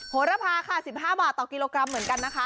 โหระพาค่ะ๑๕บาทต่อกิโลกรัมเหมือนกันนะคะ